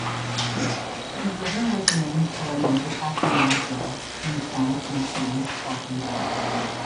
The river was named for a native Hasinai girl whom Spanish missionaries called Angelina.